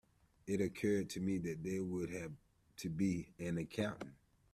It occurred to me that there would have to be an accounting.